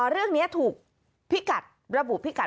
เรื่องนี้ถูกพิกัดระบุพิกัด